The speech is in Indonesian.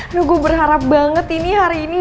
aduh gue berharap banget ini hari ini